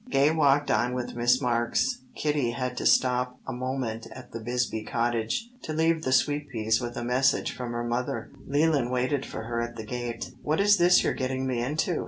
Gay walked on with Miss Marks. Kitty had to stop a moment at the Bisbee cottage, to leave the sweet peas with a message from her mother. Leland waited for her at the gate. "What is this you're getting me into?"